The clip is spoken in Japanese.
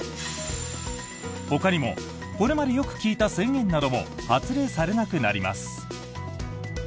ほかにもこれまでよく聞いた宣言なども発令されなくなります。